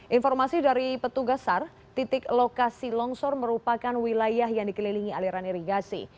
informasi dari petugas sar titik lokasi longsor merupakan wilayah yang dikelilingi aliran irigasi